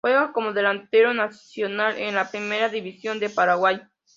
Juega como delantero en Nacional en la Primera División de Paraguay.